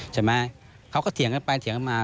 ใช่ไหมเขาก็เถียงกันไปเถียงกันมา